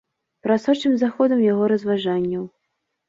Прасочым за ходам яго разважанняў.